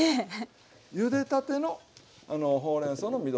ゆでたてのほうれんそうのみそ汁。